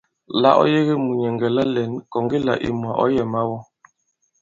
La ɔ yege mùnyɛ̀ŋgɛ̀ la lɛ̌n, kɔ̀ŋge là ìmwà ɔ̌ yɛ̀ mawɔ.